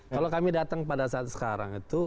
kalau kami datang pada saat sekarang itu